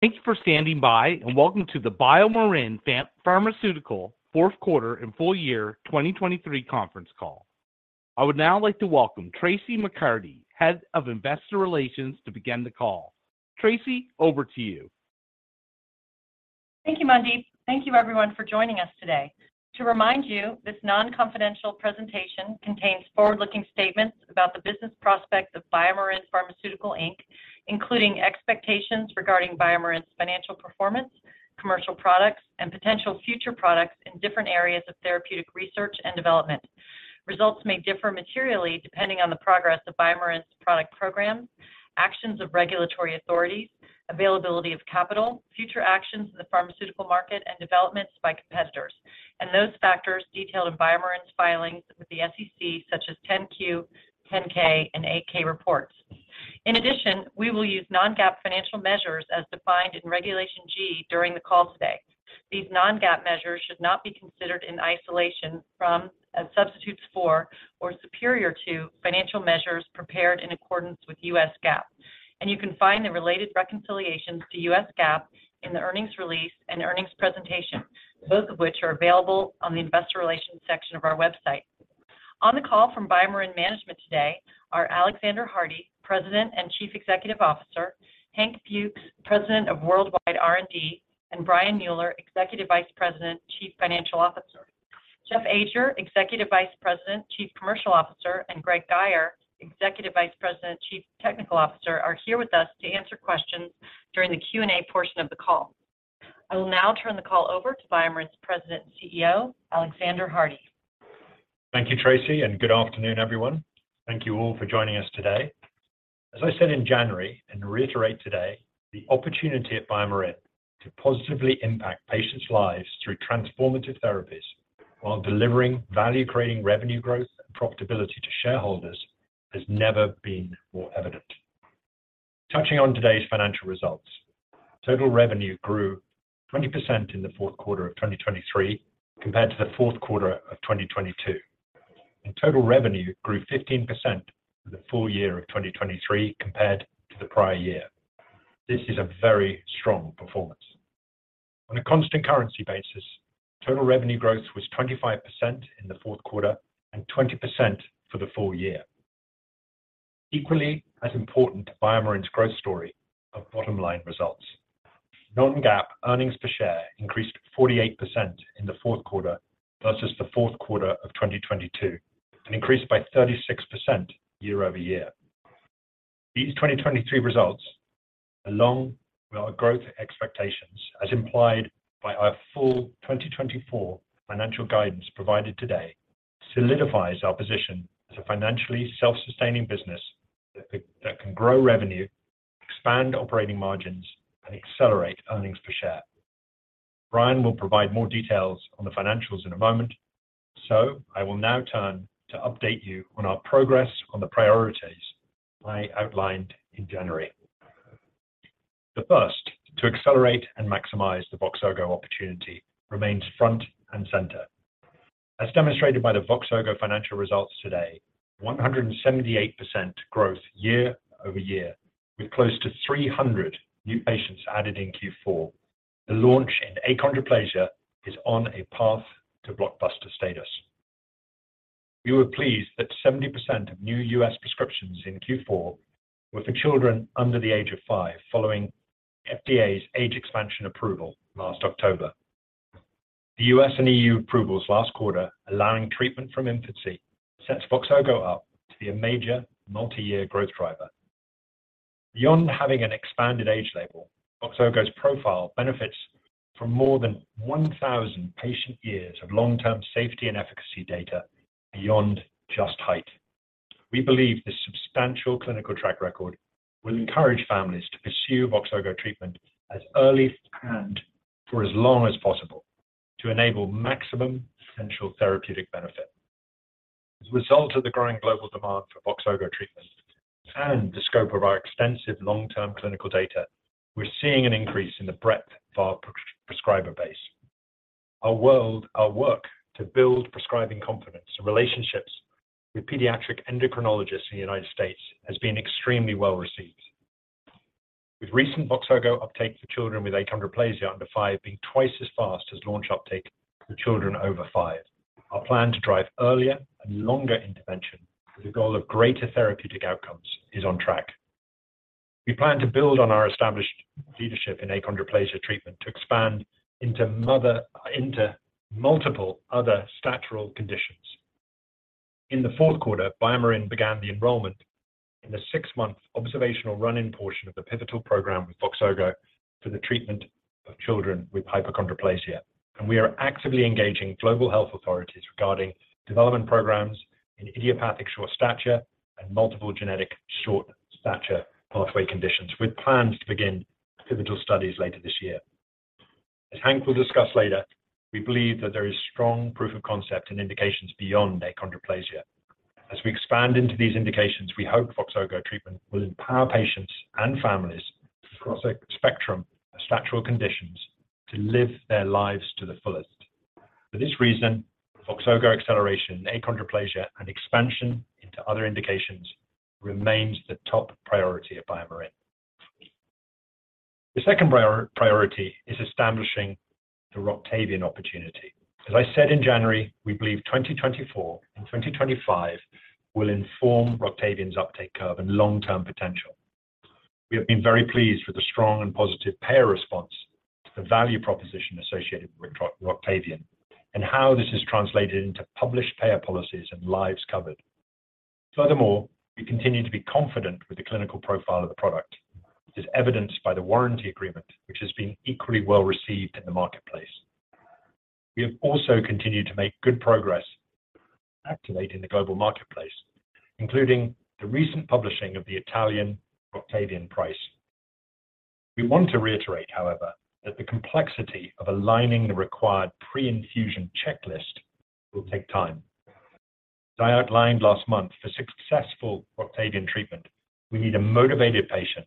Thank you for standing by, and welcome to the BioMarin Pharmaceutical Fourth Quarter and Full Year 2023 conference call. I would now like to welcome Traci McCarty, Head of Investor Relations, to begin the call. Traci, over to you. Thank you, Mandeep. Thank you everyone for joining us today. To remind you, this non-confidential presentation contains forward-looking statements about the business prospects of BioMarin Pharmaceutical, Inc., including expectations regarding BioMarin's financial performance, commercial products, and potential future products in different areas of therapeutic research and development. Results may differ materially depending on the progress of BioMarin's product program, actions of regulatory authorities, availability of capital, future actions in the pharmaceutical market, and developments by competitors, and those factors detailed in BioMarin's filings with the SEC, such as 10-Q, 10-K, and 8-K reports. In addition, we will use non-GAAP financial measures as defined in Regulation G during the call today. These non-GAAP measures should not be considered in isolation from, as substitutes for, or superior to financial measures prepared in accordance with U.S. GAAP. You can find the related reconciliations to U.S. GAAP in the earnings release and earnings presentation, both of which are available on the investor relations section of our website. On the call from BioMarin management today are Alexander Hardy, President and Chief Executive Officer, Hank Fuchs, President of Worldwide R&D, and Brian Mueller, Executive Vice President, Chief Financial Officer. Jeff Ajer, Executive Vice President, Chief Commercial Officer, and Greg Guyer, Executive Vice President, Chief Technical Officer, are here with us to answer questions during the Q&A portion of the call. I will now turn the call over to BioMarin's President and CEO, Alexander Hardy. Thank you, Traci, and good afternoon, everyone. Thank you all for joining us today. As I said in January, and reiterate today, the opportunity at BioMarin to positively impact patients' lives through transformative therapies while delivering value-creating revenue growth and profitability to shareholders, has never been more evident. Touching on today's financial results, total revenue grew 20% in the fourth quarter of 2023, compared to the fourth quarter of 2022, and total revenue grew 15% for the full year of 2023 compared to the prior year. This is a very strong performance. On a constant currency basis, total revenue growth was 25% in the fourth quarter and 20% for the full year. Equally as important to BioMarin's growth story of bottom-line results, non-GAAP earnings per share increased 48% in the fourth quarter versus the fourth quarter of 2022, and increased by 36% year-over-year. These 2023 results, along with our growth expectations, as implied by our full 2024 financial guidance provided today, solidifies our position as a financially self-sustaining business that can, that can grow revenue, expand operating margins, and accelerate earnings per share. Brian will provide more details on the financials in a moment, so I will now turn to update you on our progress on the priorities I outlined in January. The first, to accelerate and maximize the Voxzogo opportunity, remains front and center. As demonstrated by the Voxzogo financial results today, 178% growth year-over-year, with close to 300 new patients added in Q4. The launch in achondroplasia is on a path to blockbuster status. We were pleased that 70% of new U.S. prescriptions in Q4 were for children under the age of 5, following FDA's age expansion approval last October. The U.S. and EU approvals last quarter, allowing treatment from infancy, sets Voxzogo up to be a major multi-year growth driver. Beyond having an expanded age label, Voxzogo's profile benefits from more than 1,000 patient years of long-term safety and efficacy data beyond just height. We believe this substantial clinical track record will encourage families to pursue Voxzogo treatment as early and for as long as possible, to enable maximum potential therapeutic benefit. As a result of the growing global demand for Voxzogo treatment and the scope of our extensive long-term clinical data, we're seeing an increase in the breadth of our prescriber base. Our work to build prescribing confidence and relationships with pediatric endocrinologists in the United States has been extremely well received. With recent Voxzogo uptake for children with achondroplasia under five being twice as fast as launch uptake for children over five, our plan to drive earlier and longer intervention with the goal of greater therapeutic outcomes is on track. We plan to build on our established leadership in achondroplasia treatment to expand into multiple other statural conditions. In the fourth quarter, BioMarin began the enrollment in the six-month observational run-in portion of the pivotal program with Voxzogo for the treatment of children with hypochondroplasia, and we are actively engaging global health authorities regarding development programs in idiopathic short stature and multiple genetic short stature pathway conditions, with plans to begin pivotal studies later this year. As Hank will discuss later, we believe that there is strong proof of concept in indications beyond achondroplasia. As we expand into these indications, we hope Voxzogo treatment will empower patients and families across a spectrum of statural conditions to live their lives to the fullest. For this reason, Voxzogo acceleration, achondroplasia, and expansion into other indications remains the top priority of BioMarin. The second priority is establishing the Roctavian opportunity. As I said in January, we believe 2024 and 2025 will inform Roctavian's uptake curve and long-term potential. We have been very pleased with the strong and positive payer response to the value proposition associated with Roctavian, and how this has translated into published payer policies and lives covered. Furthermore, we continue to be confident with the clinical profile of the product, which is evidenced by the warranty agreement, which has been equally well-received in the marketplace. We have also continued to make good progress activating the global marketplace, including the recent publishing of the Italian Roctavian price. We want to reiterate, however, that the complexity of aligning the required pre-infusion checklist will take time. As I outlined last month, for successful Roctavian treatment, we need a motivated patient,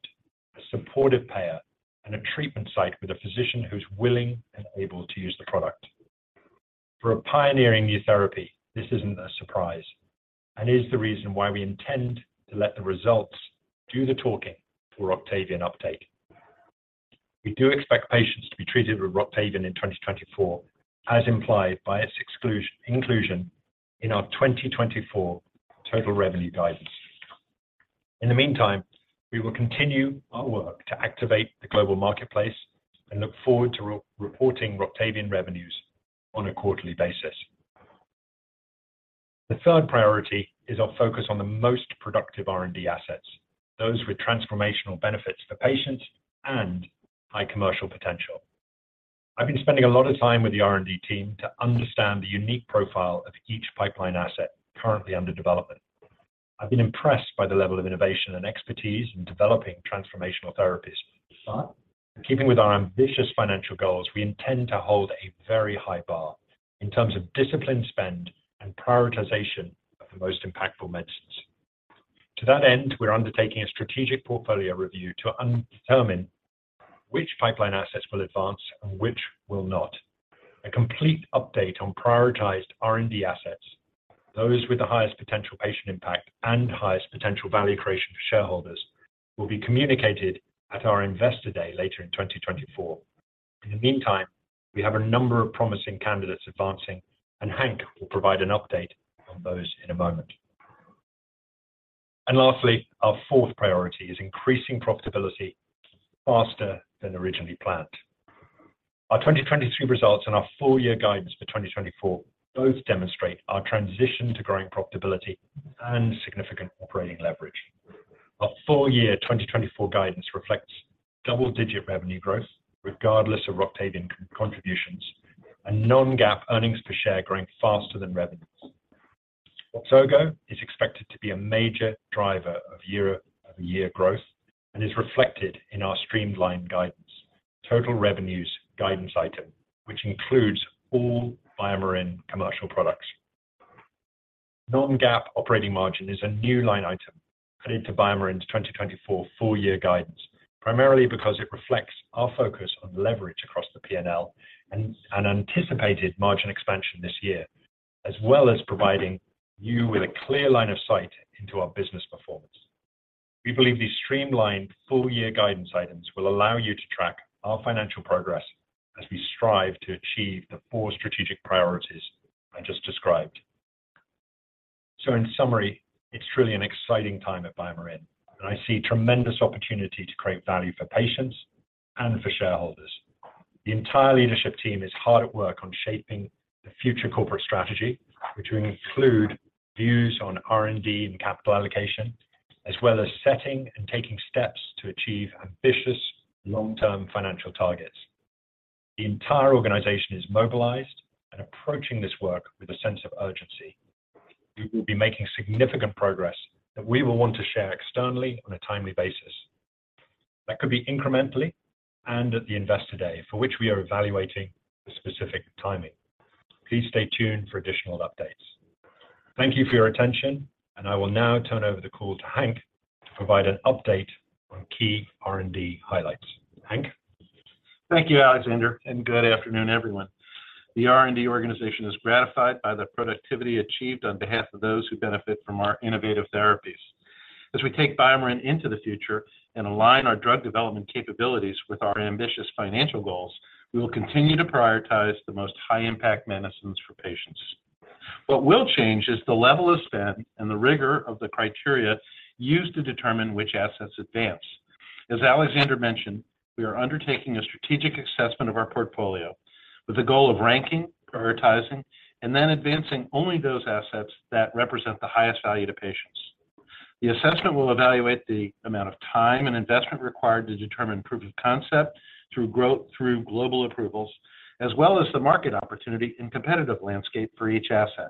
a supportive payer, and a treatment site with a physician who's willing and able to use the product. For a pioneering new therapy, this isn't a surprise, and is the reason why we intend to let the results do the talking for Roctavian uptake. We do expect patients to be treated with Roctavian in 2024, as implied by its inclusion in our 2024 total revenue guidance. In the meantime, we will continue our work to activate the global marketplace and look forward to re-reporting Roctavian revenues on a quarterly basis. The third priority is our focus on the most productive R&D assets, those with transformational benefits for patients and high commercial potential. I've been spending a lot of time with the R&D team to understand the unique profile of each pipeline asset currently under development. I've been impressed by the level of innovation and expertise in developing transformational therapies, but keeping with our ambitious financial goals, we intend to hold a very high bar in terms of disciplined spend and prioritization of the most impactful medicines. To that end, we're undertaking a strategic portfolio review to determine which pipeline assets will advance and which will not. A complete update on prioritized R&D assets, those with the highest potential patient impact and highest potential value creation for shareholders, will be communicated at our Investor Day later in 2024. In the meantime, we have a number of promising candidates advancing, and Hank will provide an update on those in a moment. Lastly, our fourth priority is increasing profitability faster than originally planned. Our 2022 results and our full-year guidance for 2024 both demonstrate our transition to growing profitability and significant operating leverage. Our full-year 2024 guidance reflects double-digit revenue growth, regardless of Roctavian contributions, and non-GAAP earnings per share growing faster than revenues. Voxzogo is expected to be a major driver of year-over-year growth and is reflected in our streamlined guidance, total revenues guidance item, which includes all BioMarin commercial products. Non-GAAP operating margin is a new line item added to BioMarin's 2024 full-year guidance, primarily because it reflects our focus on leverage across the P&L and an anticipated margin expansion this year, as well as providing you with a clear line of sight into our business performance. We believe these streamlined full-year guidance items will allow you to track our financial progress as we strive to achieve the four strategic priorities I just described. So in summary, it's truly an exciting time at BioMarin, and I see tremendous opportunity to create value for patients and for shareholders. The entire leadership team is hard at work on shaping the future corporate strategy, which will include views on R&D and capital allocation, as well as setting and taking steps to achieve ambitious long-term financial targets. The entire organization is mobilized and approaching this work with a sense of urgency. We will be making significant progress that we will want to share externally on a timely basis. That could be incrementally and at the Investor Day, for which we are evaluating the specific timing. Please stay tuned for additional updates. Thank you for your attention, and I will now turn over the call to Hank to provide an update on key R&D highlights. Hank? Thank you, Alexander, and good afternoon, everyone. The R&D organization is gratified by the productivity achieved on behalf of those who benefit from our innovative therapies. As we take BioMarin into the future and align our drug development capabilities with our ambitious financial goals, we will continue to prioritize the most high-impact medicines for patients. What will change is the level of spend and the rigor of the criteria used to determine which assets advance. As Alexander mentioned, we are undertaking a strategic assessment of our portfolio with the goal of ranking, prioritizing, and then advancing only those assets that represent the highest value to patients. The assessment will evaluate the amount of time and investment required to determine proof of concept through growth, through global approvals, as well as the market opportunity and competitive landscape for each asset.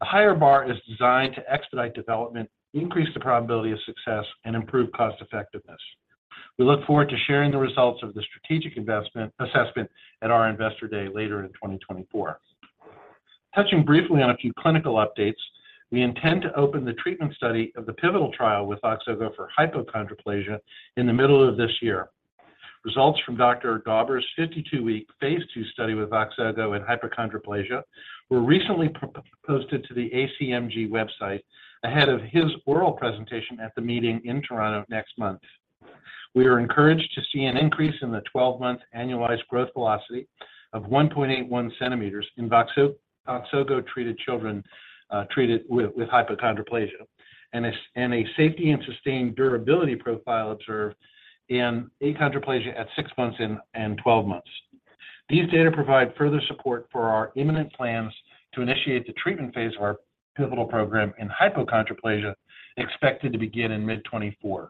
A higher bar is designed to expedite development, increase the probability of success, and improve cost effectiveness. We look forward to sharing the results of the strategic investment assessment at our Investor Day later in 2024. Touching briefly on a few clinical updates, we intend to open the treatment study of the pivotal trial with Voxzogo for hypochondroplasia in the middle of this year. Results from Dr. Dauber's 52-week Phase 2 study with Voxzogo and hypochondroplasia were recently posted to the ACMG website ahead of his oral presentation at the meeting in Toronto next month. We are encouraged to see an increase in the 12-month annualized growth velocity of 1.81 cm in Voxzogo-treated children treated with hypochondroplasia, and a safety and sustained durability profile observed in achondroplasia at 6 months and 12 months. These data provide further support for our imminent plans to initiate the treatment phase of our pivotal program in hypochondroplasia, expected to begin in mid-2024.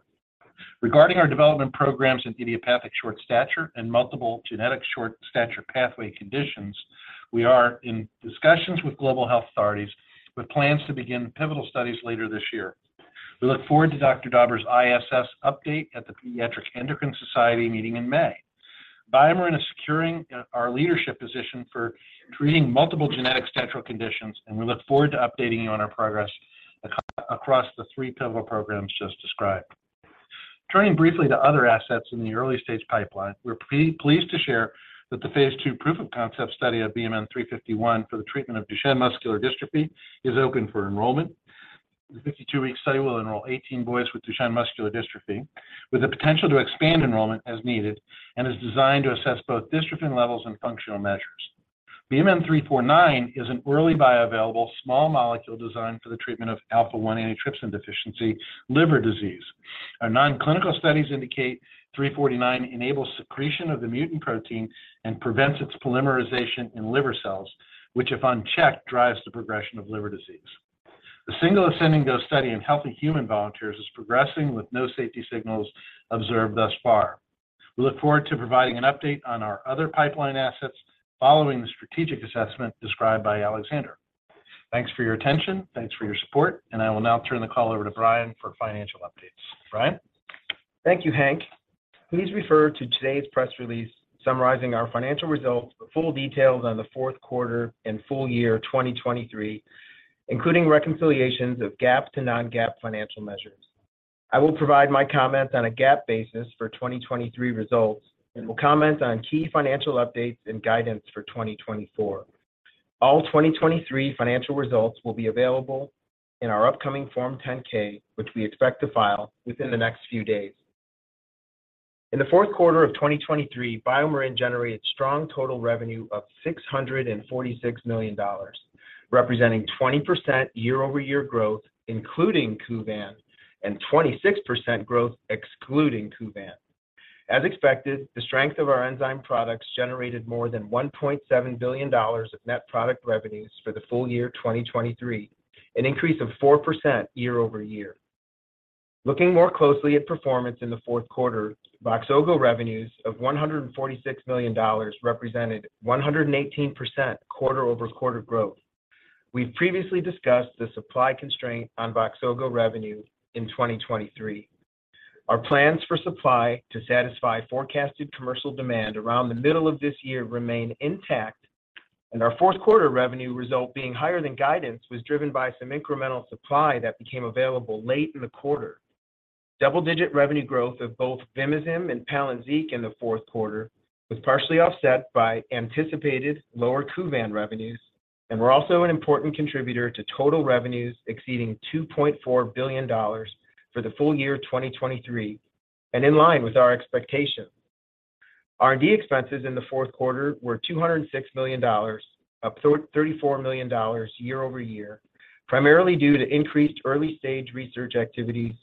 Regarding our development programs in idiopathic short stature and multiple genetic short stature pathway conditions, we are in discussions with global health authorities, with plans to begin pivotal studies later this year. We look forward to Dr. Dauber's ISS update at the Pediatric Endocrine Society meeting in May. BioMarin is securing our leadership position for treating multiple genetic stature conditions, and we look forward to updating you on our progress across the three pivotal programs just described. Turning briefly to other assets in the early-stage pipeline, we're pleased to share that the Phase 2 proof-of-concept study of BMN 351 for the treatment of Duchenne muscular dystrophy is open for enrollment. The 52-week study will enroll 18 boys with Duchenne muscular dystrophy, with the potential to expand enrollment as needed, and is designed to assess both dystrophin levels and functional measures. BMN 349 is an oral bioavailable small molecule designed for the treatment of alpha-1 antitrypsin deficiency liver disease. Our non-clinical studies indicate 349 enables secretion of the mutant protein and prevents its polymerization in liver cells, which, if unchecked, drives the progression of liver disease. The single ascending dose study in healthy human volunteers is progressing with no safety signals observed thus far. We look forward to providing an update on our other pipeline assets following the strategic assessment described by Alexander. Thanks for your attention. Thanks for your support, and I will now turn the call over to Brian for financial updates. Brian? Thank you, Hank. Please refer to today's press release summarizing our financial results for full details on the fourth quarter and full year 2023, including reconciliations of GAAP to non-GAAP financial measures. I will provide my comments on a GAAP basis for 2023 results and will comment on key financial updates and guidance for 2024. All 2023 financial results will be available in our upcoming Form 10-K, which we expect to file within the next few days. In the fourth quarter of 2023, BioMarin generated strong total revenue of $646 million, representing 20% year-over-year growth, including Kuvan, and 26% growth excluding Kuvan. As expected, the strength of our enzyme products generated more than $1.7 billion of net product revenues for the full year 2023, an increase of 4% year-over-year. Looking more closely at performance in the fourth quarter, Voxzogo revenues of $146 million represented 118% quarter-over-quarter growth. We've previously discussed the supply constraint on Voxzogo revenue in 2023. Our plans for supply to satisfy forecasted commercial demand around the middle of this year remain intact, and our fourth quarter revenue result being higher than guidance, was driven by some incremental supply that became available late in the quarter. Double-digit revenue growth of both Vimizim and Palynziq in the fourth quarter was partially offset by anticipated lower Kuvan revenues and were also an important contributor to total revenues exceeding $2.4 billion for the full year 2023, and in line with our expectations. R&D expenses in the fourth quarter were $206 million, up $34 million year over year, primarily due to increased early-stage research activities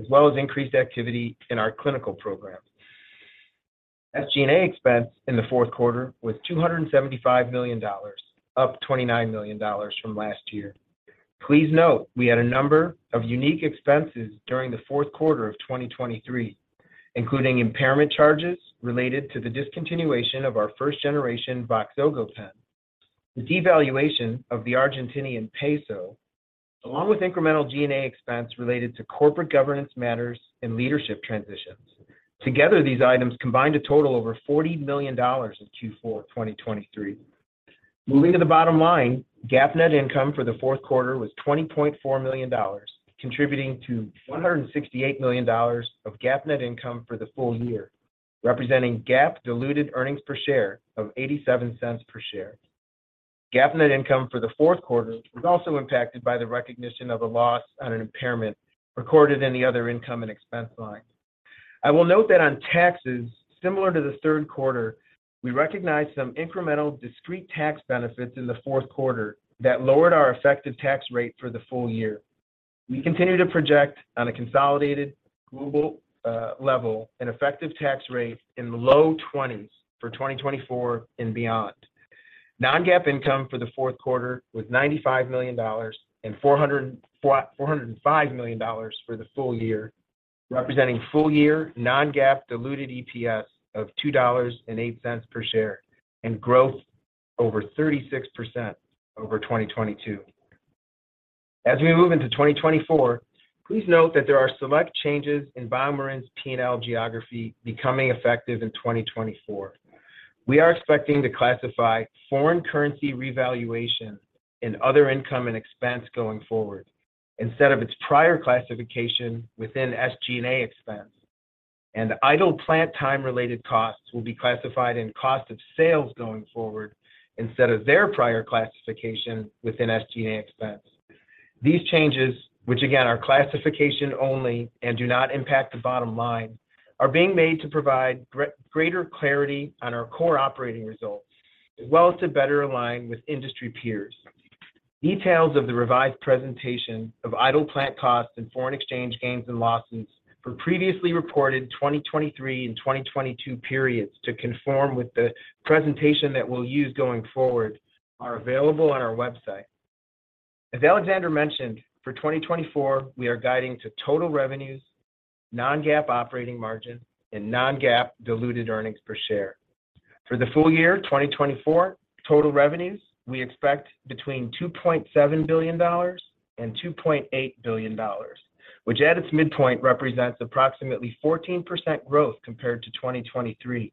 as well as increased activity in our clinical programs. SG&A expense in the fourth quarter was $275 million, up $29 million from last year. Please note, we had a number of unique expenses during the fourth quarter of 2023, including impairment charges related to the discontinuation of our first-generation Voxzogo pen, the devaluation of the Argentinian peso, along with incremental G&A expense related to corporate governance matters and leadership transitions. Together, these items combined to total over $40 million in Q4 2023. Moving to the bottom line, GAAP net income for the fourth quarter was $20.4 million, contributing to $168 million of GAAP net income for the full year, representing GAAP diluted earnings per share of $0.87 per share. GAAP net income for the fourth quarter was also impacted by the recognition of a loss on an impairment recorded in the other income and expense line. I will note that on taxes, similar to the third quarter, we recognized some incremental discrete tax benefits in the fourth quarter that lowered our effective tax rate for the full year. We continue to project on a consolidated global level, an effective tax rate in the low 20s for 2024 and beyond. Non-GAAP income for the fourth quarter was $95 million and $405 million for the full year, representing full-year non-GAAP diluted EPS of $2.08 per share and growth over 36% over 2022.... As we move into 2024, please note that there are select changes in BioMarin's P&L geography becoming effective in 2024. We are expecting to classify foreign currency revaluation and other income and expense going forward, instead of its prior classification within SG&A expense. And idle plant time-related costs will be classified in cost of sales going forward, instead of their prior classification within SG&A expense. These changes, which again, are classification only and do not impact the bottom line, are being made to provide greater clarity on our core operating results, as well as to better align with industry peers. Details of the revised presentation of idle plant costs and foreign exchange gains and losses for previously reported 2023 and 2022 periods to conform with the presentation that we'll use going forward, are available on our website. As Alexander mentioned, for 2024, we are guiding to total revenues, non-GAAP operating margin, and non-GAAP diluted earnings per share. For the full year 2024, total revenues, we expect between $2.7 billion and $2.8 billion, which at its midpoint represents approximately 14% growth compared to 2023.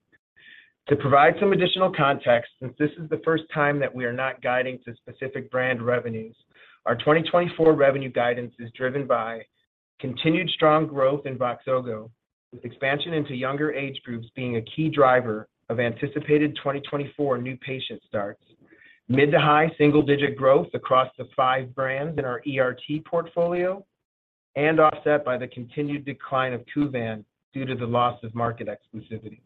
To provide some additional context, since this is the first time that we are not guiding to specific brand revenues, our 2024 revenue guidance is driven by continued strong growth in Voxzogo, with expansion into younger age groups being a key driver of anticipated 2024 new patient starts, mid- to high double-digit growth across the five brands in our ERT portfolio, and offset by the continued decline of Kuvan due to the loss of market exclusivity.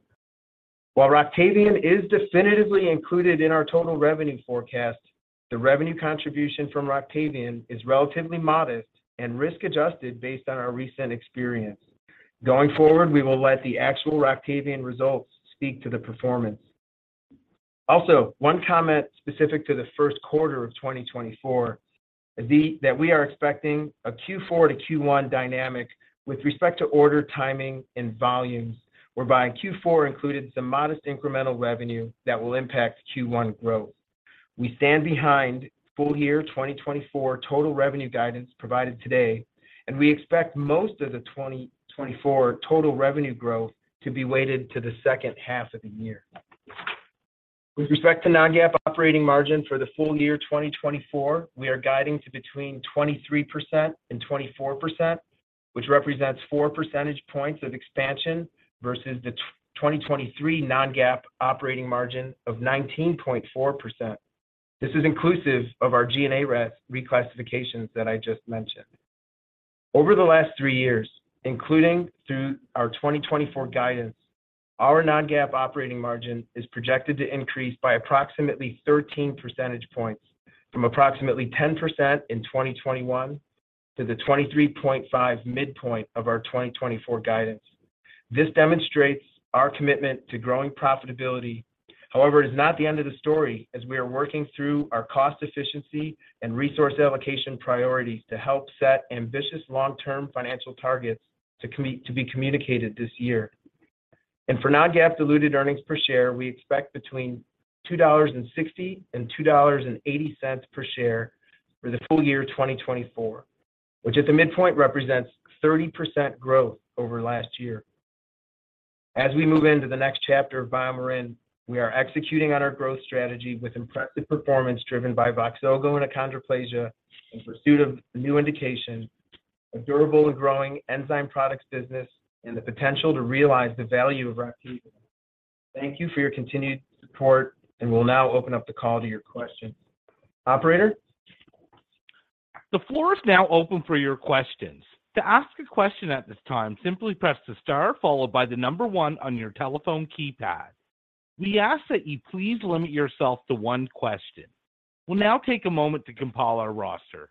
While Roctavian is definitively included in our total revenue forecast, the revenue contribution from Roctavian is relatively modest and risk-adjusted based on our recent experience. Going forward, we will let the actual Roctavian results speak to the performance. Also, one comment specific to the first quarter of 2024 is that we are expecting a Q4 to Q1 dynamic with respect to order, timing, and volumes, whereby Q4 included some modest incremental revenue that will impact Q1 growth. We stand behind full year 2024 total revenue guidance provided today, and we expect most of the 2024 total revenue growth to be weighted to the second half of the year. With respect to non-GAAP operating margin for the full year 2024, we are guiding to between 23% and 24%, which represents four percentage points of expansion versus the 2023 non-GAAP operating margin of 19.4%. This is inclusive of our G&A reclassifications that I just mentioned. Over the last three years, including through our 2024 guidance, our non-GAAP operating margin is projected to increase by approximately 13 percentage points, from approximately 10% in 2021 to the 23.5 midpoint of our 2024 guidance. This demonstrates our commitment to growing profitability. However, it is not the end of the story, as we are working through our cost efficiency and resource allocation priorities to help set ambitious long-term financial targets to be communicated this year. And for non-GAAP diluted earnings per share, we expect between $2.60 and $2.80 per share for the full year 2024, which at the midpoint represents 30% growth over last year. As we move into the next chapter of BioMarin, we are executing on our growth strategy with impressive performance driven by Voxzogo and Achondroplasia, in pursuit of the new indication, a durable and growing enzyme products business, and the potential to realize the value of Roctavian. Thank you for your continued support, and we'll now open up the call to your questions. Operator? The floor is now open for your questions. To ask a question at this time, simply press the star followed by the number one on your telephone keypad. We ask that you please limit yourself to one question. We'll now take a moment to compile our roster.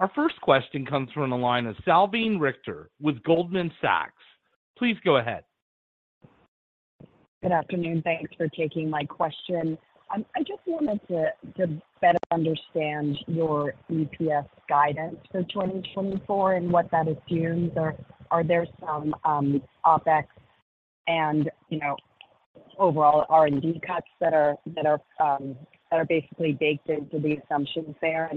Our first question comes from the line of Salveen Richter with Goldman Sachs. Please go ahead. Good afternoon. Thanks for taking my question. I just wanted to better understand your EPS guidance for 2024 and what that assumes. Are there some OpEx and, you know, overall R&D cuts that are basically baked into the assumptions there?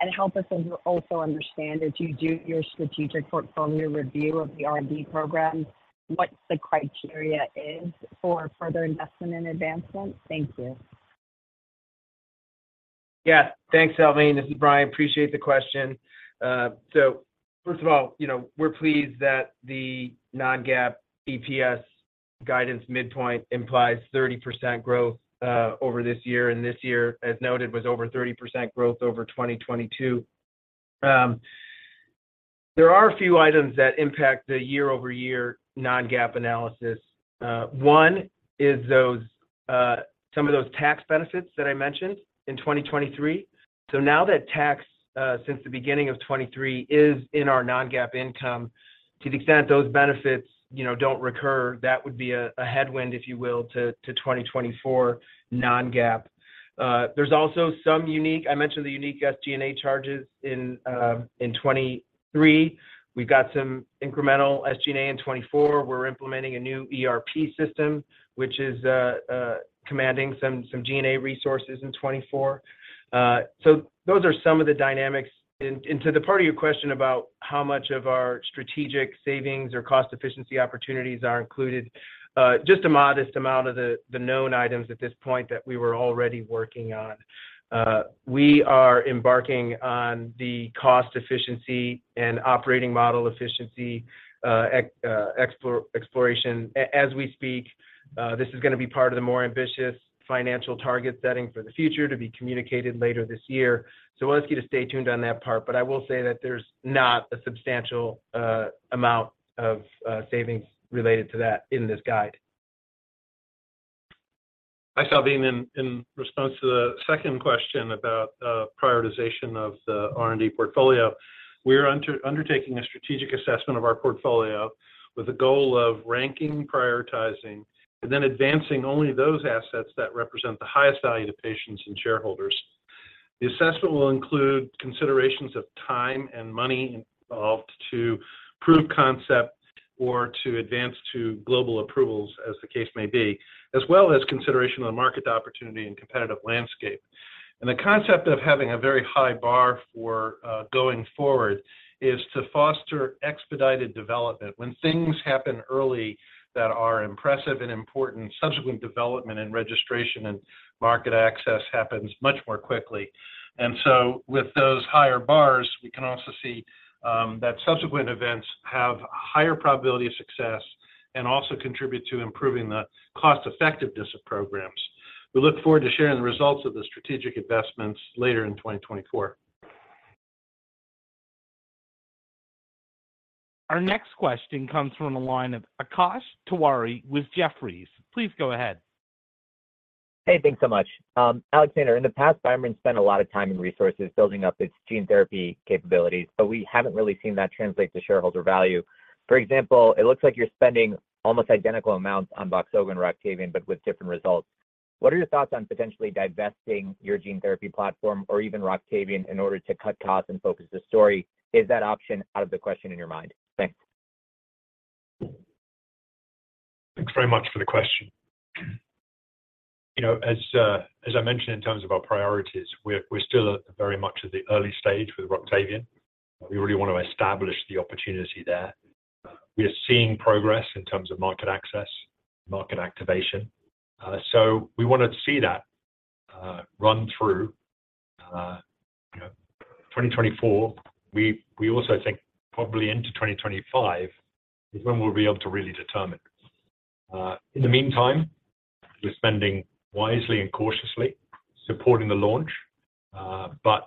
And help us also understand, as you do your strategic portfolio review of the R&D program, what the criteria is for further investment and advancement. Thank you. Yeah. Thanks, Salveen. This is Brian. Appreciate the question. So first of all, you know, we're pleased that the non-GAAP EPS guidance midpoint implies 30% growth over this year, and this year, as noted, was over 30% growth over 2022. There are a few items that impact the year-over-year non-GAAP analysis. One is those-... some of those tax benefits that I mentioned in 2023. So now that tax, since the beginning of 2023 is in our non-GAAP income, to the extent those benefits, you know, don't recur, that would be a headwind, if you will, to 2024 non-GAAP. There's also some unique. I mentioned the unique SG&A charges in 2023. We've got some incremental SG&A in 2024. We're implementing a new ERP system, which is commanding some G&A resources in 2024. So those are some of the dynamics. And to the part of your question about how much of our strategic savings or cost efficiency opportunities are included, just a modest amount of the known items at this point that we were already working on. We are embarking on the cost efficiency and operating model efficiency exploration as we speak. This is going to be part of the more ambitious financial target setting for the future to be communicated later this year. So we'll ask you to stay tuned on that part, but I will say that there's not a substantial amount of savings related to that in this guide. Hi, Salveen. In response to the second question about prioritization of the R&D portfolio, we are undertaking a strategic assessment of our portfolio with the goal of ranking, prioritizing, and then advancing only those assets that represent the highest value to patients and shareholders. The assessment will include considerations of time and money involved to prove concept or to advance to global approvals, as the case may be, as well as consideration on market opportunity and competitive landscape. And the concept of having a very high bar for going forward is to foster expedited development. When things happen early that are impressive and important, subsequent development and registration and market access happens much more quickly. And so with those higher bars, we can also see that subsequent events have higher probability of success and also contribute to improving the cost effectiveness of programs. We look forward to sharing the results of the strategic investments later in 2024. Our next question comes from the line of Akash Tewari with Jefferies. Please go ahead. Hey, thanks so much. Alexander, in the past, BioMarin spent a lot of time and resources building up its gene therapy capabilities, but we haven't really seen that translate to shareholder value. For example, it looks like you're spending almost identical amounts on Voxzogo and Roctavian, but with different results. What are your thoughts on potentially divesting your gene therapy platform or even Roctavian in order to cut costs and focus the story? Is that option out of the question in your mind? Thanks. Thanks very much for the question. You know, as I mentioned, in terms of our priorities, we're still very much at the early stage with Roctavian. We really want to establish the opportunity there. We are seeing progress in terms of market access, market activation, so we want to see that run through, you know, 2024. We also think probably into 2025 is when we'll be able to really determine. In the meantime, we're spending wisely and cautiously supporting the launch. But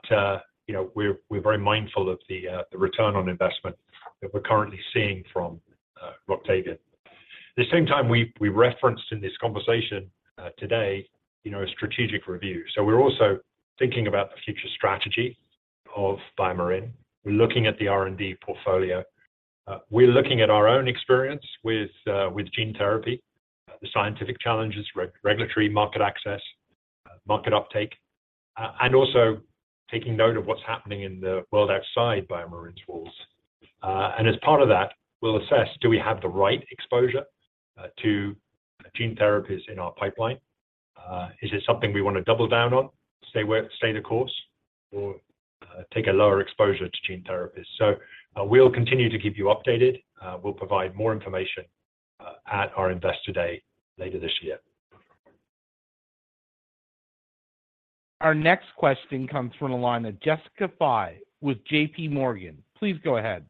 you know, we're very mindful of the return on investment that we're currently seeing from Roctavian. At the same time, we referenced in this conversation today, you know, a strategic review. So we're also thinking about the future strategy of BioMarin. We're looking at the R&D portfolio. We're looking at our own experience with gene therapy, the scientific challenges, regulatory market access, market uptake, and also taking note of what's happening in the world outside BioMarin's walls. As part of that, we'll assess, do we have the right exposure to gene therapies in our pipeline? Is this something we want to double down on, stay the course, or take a lower exposure to gene therapies? We'll continue to keep you updated. We'll provide more information at our Investor Day later this year. Our next question comes from the line of Jessica Fye with JPMorgan. Please go ahead.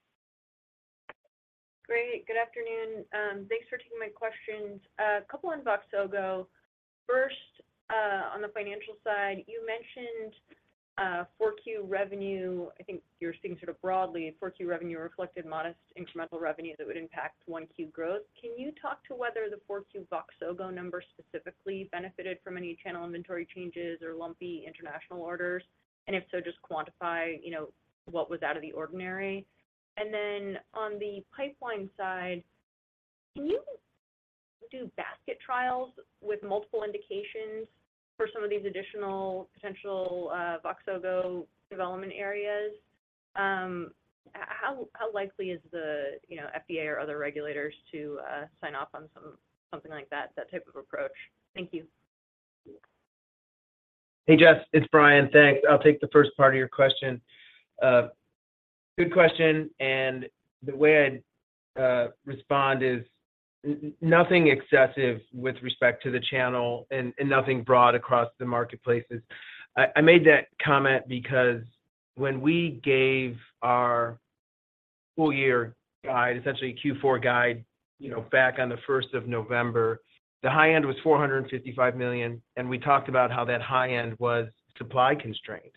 Great. Good afternoon. Thanks for taking my questions. A couple on Voxzogo. First, on the financial side, you mentioned Q4 revenue. I think you're seeing sort of broadly, Q4 revenue reflected modest incremental revenue that would impact Q1 growth. Can you talk to whether the Q4 Voxzogo numbers specifically benefited from any channel inventory changes or lumpy international orders? And if so, just quantify, you know, what was out of the ordinary. And then on the pipeline side, can you do basket trials with multiple indications for some of these additional potential Voxzogo development areas? How likely is the, you know, FDA or other regulators to sign off on something like that, that type of approach? Thank you. Hey, Jess, it's Brian. Thanks. I'll take the first part of your question. Good question, and the way I'd respond is nothing excessive with respect to the channel and nothing broad across the marketplaces. I made that comment because when we gave our full year guide, essentially Q4 guide, you know, back on the first of November, the high end was $455 million, and we talked about how that high end was supply constrained. ...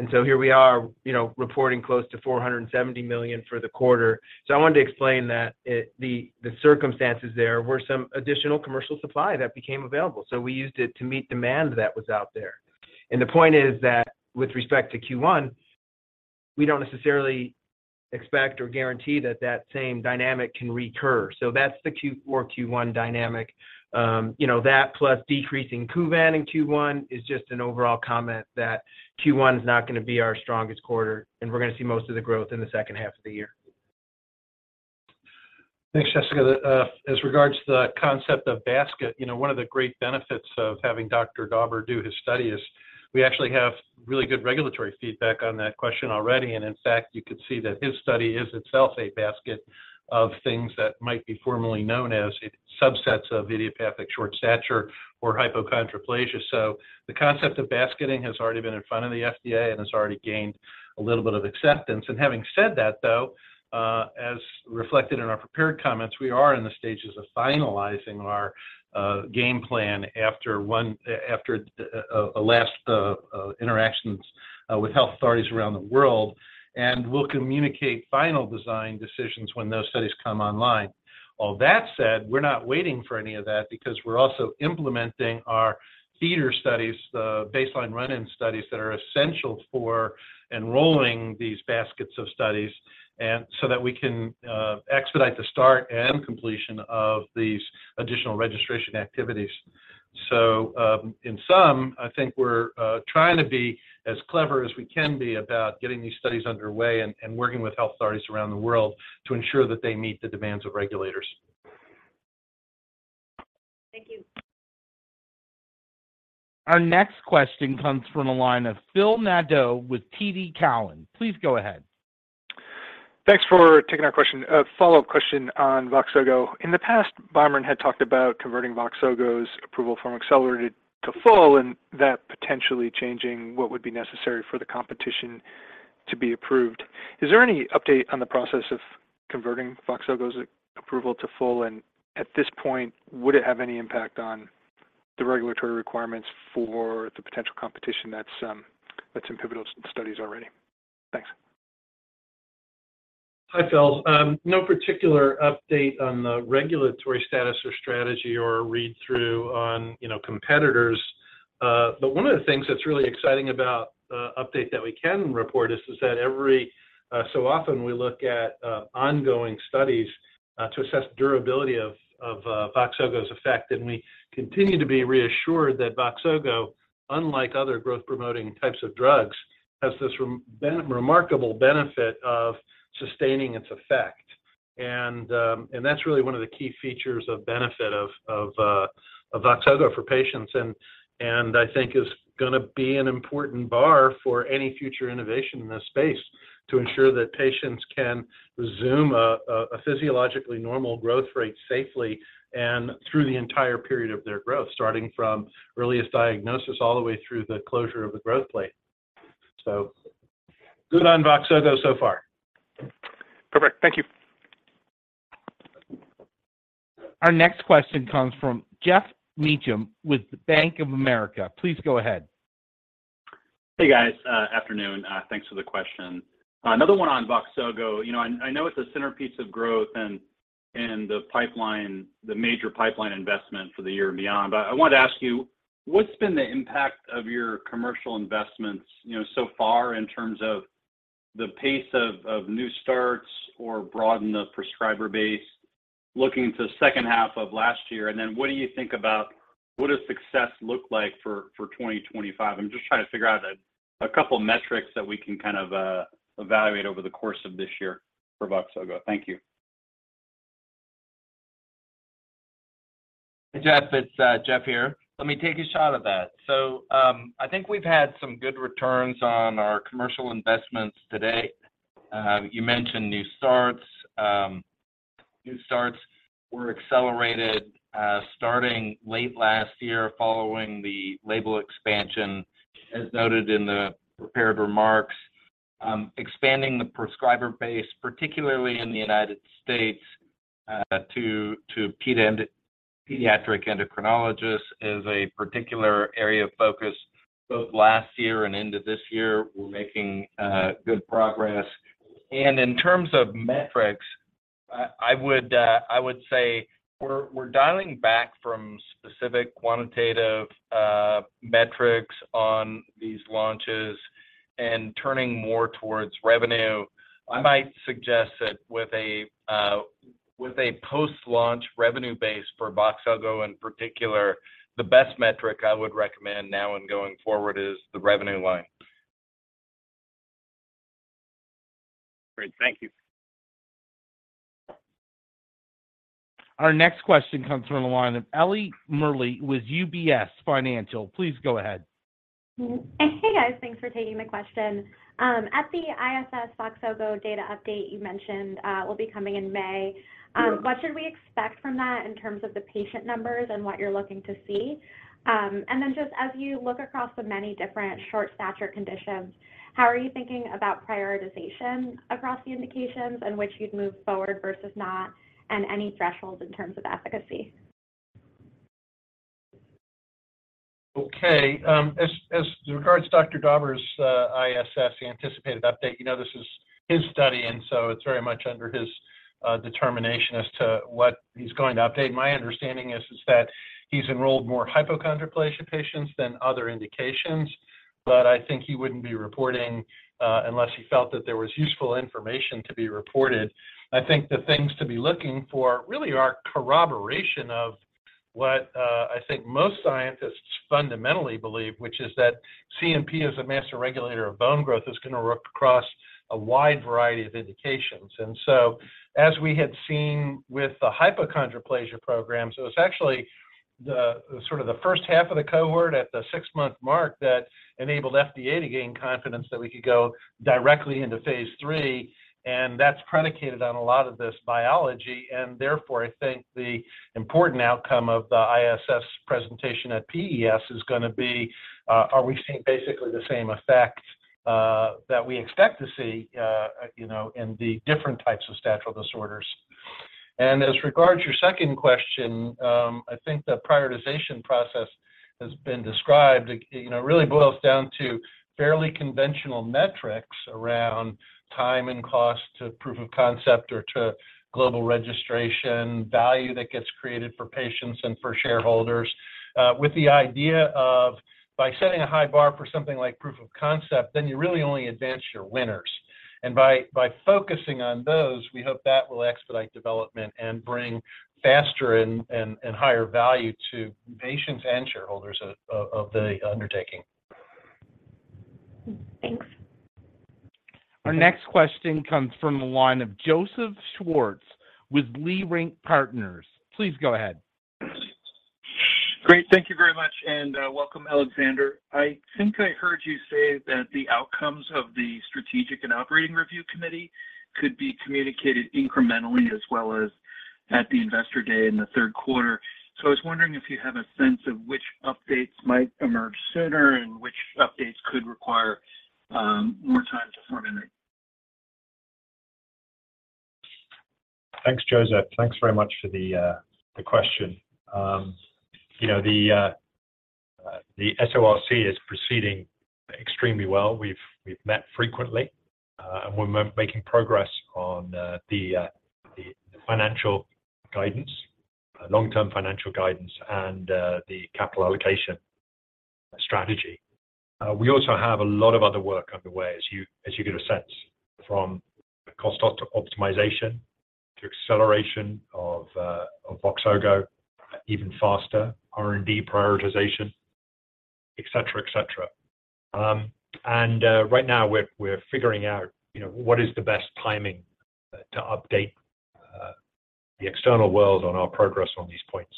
And so here we are, you know, reporting close to $470 million for the quarter. So I wanted to explain that it, the circumstances there were some additional commercial supply that became available, so we used it to meet demand that was out there. And the point is that with respect to Q1, we don't necessarily expect or guarantee that that same dynamic can recur. So that's the Q or Q1 dynamic. You know, that plus decreasing Kuvan in Q1 is just an overall comment that Q1 is not gonna be our strongest quarter, and we're gonna see most of the growth in the second half of the year. Thanks, Jessica. As regards to the concept of basket, you know, one of the great benefits of having Dr. Dauber do his study is we actually have really good regulatory feedback on that question already. And in fact, you could see that his study is itself a basket of things that might be formerly known as subsets of idiopathic short stature or hypochondroplasia. So the concept of basketing has already been in front of the FDA and has already gained a little bit of acceptance. And having said that, though, as reflected in our prepared comments, we are in the stages of finalizing our game plan after our last interactions with health authorities around the world, and we'll communicate final design decisions when those studies come online. All that said, we're not waiting for any of that because we're also implementing our feeder studies, the baseline run-in studies that are essential for enrolling these baskets of studies and so that we can expedite the start and completion of these additional registration activities. So, in sum, I think we're trying to be as clever as we can be about getting these studies underway and working with health authorities around the world to ensure that they meet the demands of regulators. Thank you. Our next question comes from the line of Phil Nadeau with TD Cowen. Please go ahead. Thanks for taking our question. A follow-up question on Voxzogo. In the past, BioMarin had talked about converting Voxzogo's approval from accelerated to full and that potentially changing what would be necessary for the competition to be approved. Is there any update on the process of converting Voxzogo's approval to full? And at this point, would it have any impact on the regulatory requirements for the potential competition that's in pivotal studies already? Thanks. Hi, Phil. No particular update on the regulatory status or strategy or read-through on, you know, competitors. But one of the things that's really exciting about the update that we can report is that every so often we look at ongoing studies to assess durability of Voxzogo's effect, and we continue to be reassured that Voxzogo, unlike other growth-promoting types of drugs, has this remarkable benefit of sustaining its effect. And that's really one of the key features of benefit of Voxzogo for patients. I think is gonna be an important bar for any future innovation in this space to ensure that patients can resume a physiologically normal growth rate safely and through the entire period of their growth, starting from earliest diagnosis all the way through the closure of the growth plate. So good on Voxzogo so far. Perfect. Thank you. Our next question comes from Geoff Meacham with Bank of America. Please go ahead. Hey, guys, afternoon. Thanks for the question. Another one on Voxzogo. You know, I know it's a centerpiece of growth and the pipeline, the major pipeline investment for the year and beyond, but I wanted to ask you, what's been the impact of your commercial investments, you know, so far in terms of the pace of new starts or broaden the prescriber base, looking to second half of last year? And then what do you think about what does success look like for 2025? I'm just trying to figure out a couple of metrics that we can kind of evaluate over the course of this year for Voxzogo. Thank you. Hey, Geoff, it's Jeff here. Let me take a shot at that. So, I think we've had some good returns on our commercial investments to date. You mentioned new starts. New starts were accelerated, starting late last year, following the label expansion, as noted in the prepared remarks. Expanding the prescriber base, particularly in the United States, to pediatric endocrinologists, is a particular area of focus, both last year and into this year. We're making good progress. And in terms of metrics, I would say we're dialing back from specific quantitative metrics on these launches and turning more towards revenue. I might suggest that with a post-launch revenue base for Voxzogo, in particular, the best metric I would recommend now and going forward is the revenue line. Great. Thank you. Our next question comes from the line of Ellie Merle with UBS Financial. Please go ahead. Hey, guys. Thanks for taking the question. At the ISS Voxzogo data update, you mentioned will be coming in May. What should we expect from that in terms of the patient numbers and what you're looking to see? And then just as you look across the many different short stature conditions, how are you thinking about prioritization across the indications in which you'd move forward versus not, and any thresholds in terms of efficacy? Okay, as regards Dr. Dauber's ISS, the anticipated update, you know, this is his study, and so it's very much under his determination as to what he's going to update. My understanding is that he's enrolled more hypochondroplasia patients than other indications, but I think he wouldn't be reporting unless he felt that there was useful information to be reported. I think the things to be looking for really are corroboration of what, I think most scientists fundamentally believe, which is that CNP is a master regulator of bone growth, is gonna work across a wide variety of indications. And so as we had seen with the hypochondroplasia program, so it's actually the, sort of the first half of the cohort at the 6-month mark that enabled FDA to gain confidence that we could go directly into Phase 3, and that's predicated on a lot of this biology. And therefore, I think the important outcome of the ISS presentation at PES is gonna be, are we seeing basically the same effect, that we expect to see, you know, in the different types of statural disorders? And as regards your second question, I think the prioritization process has been described. It, you know, really boils down to fairly conventional metrics around time and cost to proof of concept or to global registration, value that gets created for patients and for shareholders. With the idea of by setting a high bar for something like proof of concept, then you really only advance your winners. And by focusing on those, we hope that will expedite development and bring faster and higher value to patients and shareholders of the undertaking. Thanks. Our next question comes from the line of Joseph Schwartz, with Leerink Partners. Please go ahead. Great. Thank you very much, and welcome, Alexander. I think I heard you say that the outcomes of the Strategic and Operating Review Committee could be communicated incrementally as well as at the Investor Day in the third quarter. So I was wondering if you have a sense of which updates might emerge sooner and which updates could require more time to formulate? Thanks, Joseph. Thanks very much for the question. You know, the SORC is proceeding extremely well. We've met frequently, and we're making progress on the financial guidance, long-term financial guidance, and the capital allocation strategy. We also have a lot of other work underway, as you get a sense, from cost optimization to acceleration of Voxzogo, even faster R&D prioritization, et cetera, et cetera. And right now we're figuring out, you know, what is the best timing to update the external world on our progress on these points.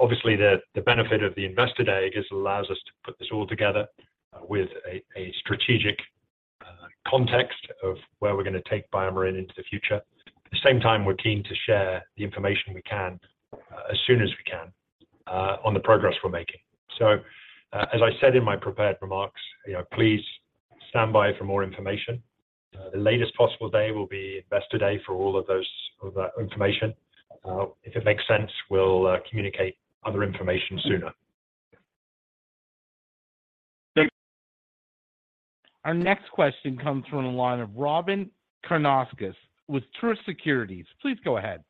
Obviously, the benefit of the Investor Day is allows us to put this all together, with a strategic context of where we're gonna take BioMarin into the future. At the same time, we're keen to share the information we can, as soon as we can, on the progress we're making. So, as I said in my prepared remarks, you know, please stand by for more information. The latest possible day will be Investor Day for all that information. If it makes sense, we'll communicate other information sooner. Thank you. Our next question comes from the line of Robyn Karnauskas with Truist Securities. Please go ahead.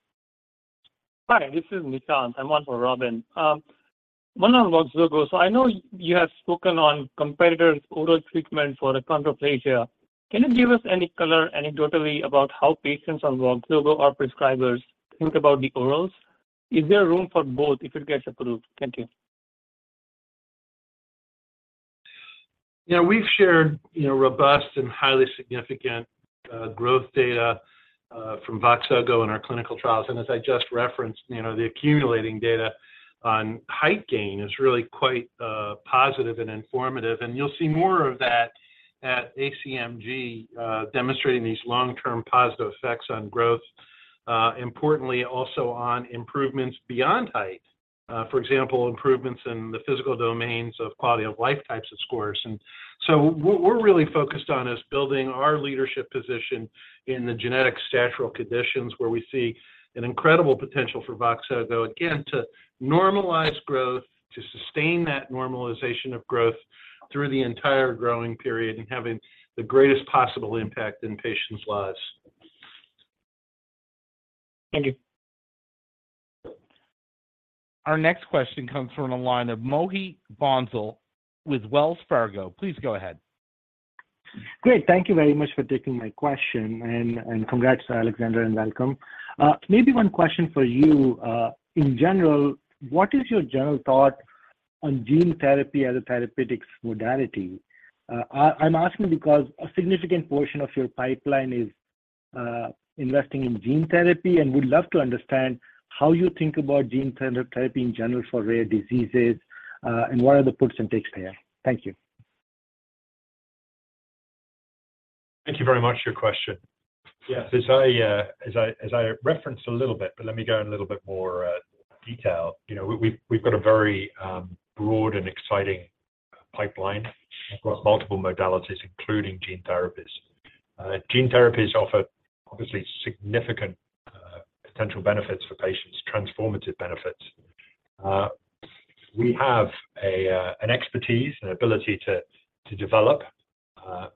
Hi, this is Nishant. I'm one for Robyn. One on Voxzogo. So I know you have spoken on competitors' oral treatment for achondroplasia. Can you give us any color anecdotally about how patients on Voxzogo or prescribers think about the orals? Is there room for both if it gets approved? Thank you. Yeah, we've shared, you know, robust and highly significant, growth data, from Voxzogo in our clinical trials. And as I just referenced, you know, the accumulating data on height gain is really quite, positive and informative. And you'll see more of that at ACMG, demonstrating these long-term positive effects on growth, importantly, also on improvements beyond height. For example, improvements in the physical domains of quality of life types of scores. And so what we're really focused on is building our leadership position in the genetic statural conditions, where we see an incredible potential for Voxzogo, again, to normalize growth, to sustain that normalization of growth through the entire growing period, and having the greatest possible impact in patients' lives. Thank you. Our next question comes from the line of Mohit Bansal with Wells Fargo. Please go ahead. Great, thank you very much for taking my question, and congrats to Alexander and welcome. Maybe one question for you. In general, what is your general thought on gene therapy as a therapeutics modality? I'm asking because a significant portion of your pipeline is investing in gene therapy, and would love to understand how you think about gene therapy in general for rare diseases, and what are the puts and takes there? Thank you. Thank you very much for your question. Yeah, as I referenced a little bit, but let me go in a little bit more detail. You know, we've got a very broad and exciting pipeline across multiple modalities, including gene therapies. Gene therapies offer obviously significant potential benefits for patients, transformative benefits. We have an expertise, an ability to develop,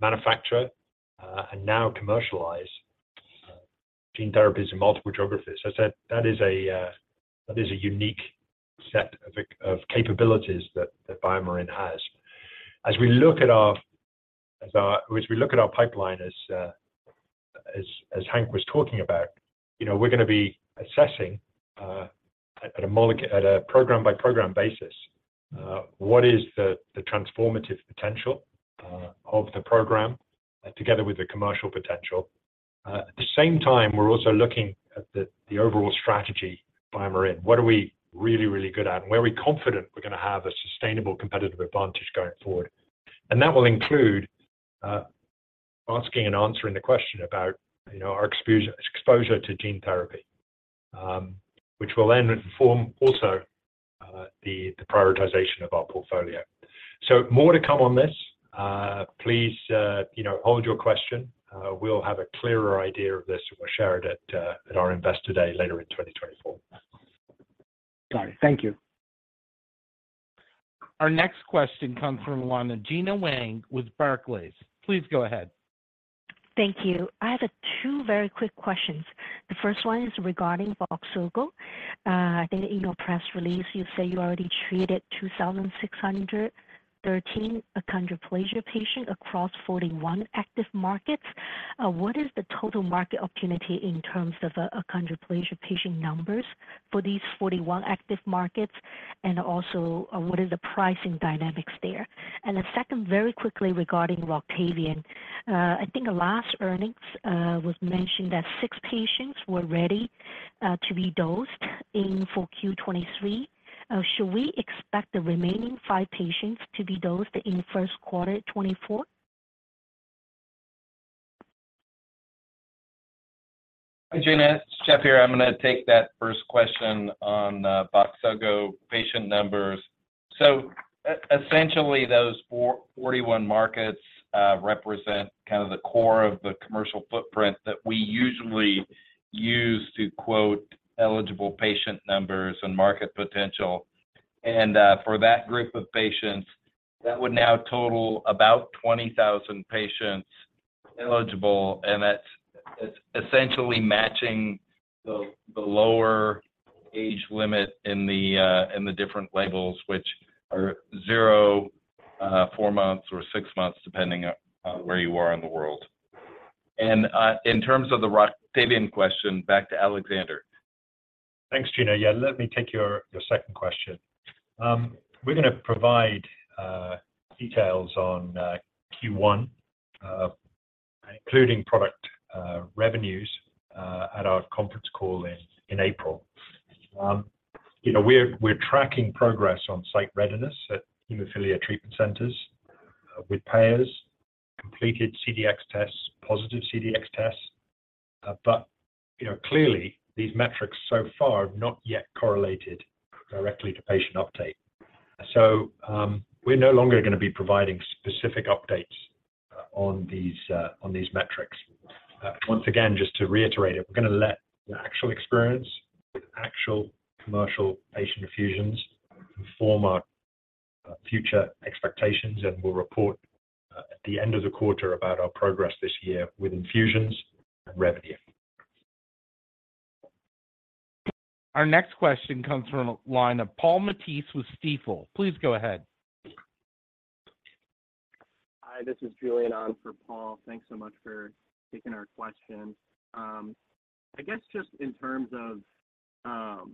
manufacture, and now commercialize gene therapies in multiple geographies. So that is a unique set of capabilities that BioMarin has. As we look at our pipeline as Hank was talking about, you know, we're gonna be assessing at a program-by-program basis what is the transformative potential of the program, together with the commercial potential. At the same time, we're also looking at the overall strategy of BioMarin. What are we really, really good at? And where are we confident we're gonna have a sustainable competitive advantage going forward? And that will include asking and answering the question about, you know, our exposure to gene therapy, which will then inform also the prioritization of our portfolio. So more to come on this. Please, you know, hold your question. We'll have a clearer idea of this, and we'll share it at our Investor Day later in 2024. Got it. Thank you. Our next question comes from the line of Gena Wang with Barclays. Please go ahead. Thank you. I have two very quick questions. The first one is regarding Voxzogo. I think in your press release, you say you already treated 2,613 achondroplasia patients across 41 active markets. What is the total market opportunity in terms of achondroplasia patient numbers for these 41 active markets? And also, what is the pricing dynamics there? And the second, very quickly regarding Roctavian. I think the last earnings was mentioned that 6 patients were ready to be dosed in 4Q 2023. Should we expect the remaining 5 patients to be dosed in first quarter 2024? Hi, Gena, it's Jeff here. I'm gonna take that first question on Voxzogo patient numbers. So essentially, those 41 markets represent kind of the core of the commercial footprint that we usually use to quote eligible patient numbers and market potential. And for that group of patients, that would now total about 20,000 patients eligible, and that's, it's essentially matching the lower age limit in the different labels, which are 0, 4 months or 6 months, depending on where you are in the world. And in terms of the Roctavian question, back to Alexander. Thanks, Gena. Yeah, let me take your, your second question. We're gonna provide details on Q1, including product revenues, at our conference call in April. You know, we're tracking progress on site readiness at hemophilia treatment centers with payers, completed CDx tests, positive CDx tests. But, you know, clearly, these metrics so far have not yet correlated directly to patient uptake. So, we're no longer gonna be providing specific updates on these metrics. Once again, just to reiterate it, we're gonna let the actual experience with actual commercial patient infusions inform our future expectations, and we'll report at the end of the quarter about our progress this year with infusions and revenue. Our next question comes from the line of Paul Matteis with Stifel. Please go ahead. Hi, this is Julian on for Paul. Thanks so much for taking our question. I guess just in terms of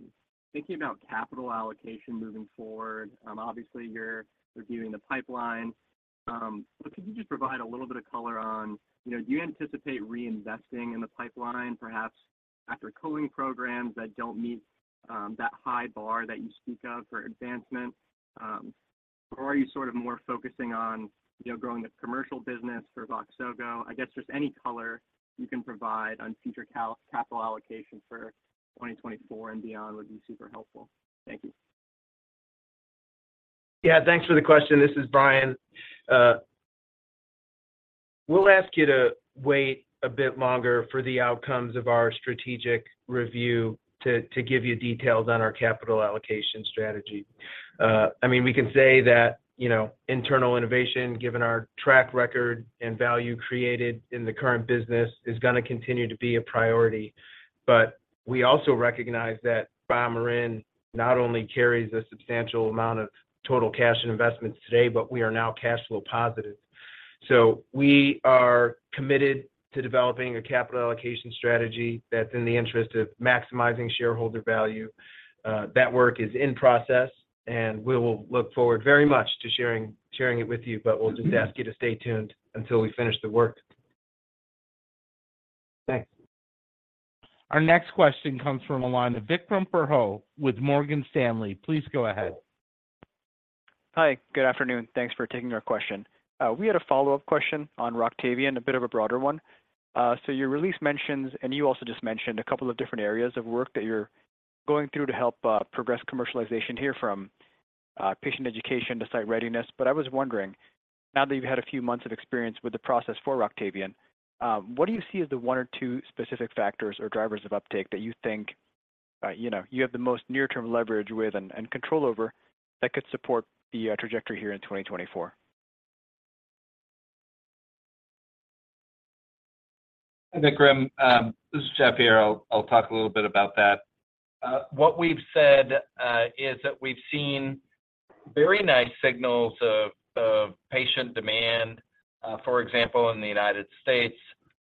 thinking about capital allocation moving forward, obviously you're reviewing the pipeline. But could you just provide a little bit of color on, you know, do you anticipate reinvesting in the pipeline, perhaps after culling programs that don't meet that high bar that you speak of for advancement? Or are you sort of more focusing on, you know, growing the commercial business for Voxzogo? I guess just any color you can provide on future capital allocation for 2024 and beyond would be super helpful. Thank you. Yeah, thanks for the question. This is Brian. We'll ask you to wait a bit longer for the outcomes of our strategic review to give you details on our capital allocation strategy. I mean, we can say that, you know, internal innovation, given our track record and value created in the current business, is gonna continue to be a priority. But we also recognize that BioMarin not only carries a substantial amount of total cash and investments today, but we are now cash flow positive. So we are committed to developing a capital allocation strategy that's in the interest of maximizing shareholder value. That work is in process, and we will look forward very much to sharing it with you, but we'll just ask you to stay tuned until we finish the work. Thanks. Our next question comes from the line of Vikram Purohit with Morgan Stanley. Please go ahead. Hi, good afternoon. Thanks for taking our question. We had a follow-up question on Roctavian, a bit of a broader one. So your release mentions, and you also just mentioned, a couple of different areas of work that you're going through to help progress commercialization here from... patient education to site readiness. But I was wondering, now that you've had a few months of experience with the process for Roctavian, what do you see as the one or two specific factors or drivers of uptake that you think, you know, you have the most near-term leverage with and, and control over, that could support the trajectory here in 2024? Hi, Vikram. This is Jeff here. I'll talk a little bit about that. What we've said is that we've seen very nice signals of patient demand. For example, in the United States,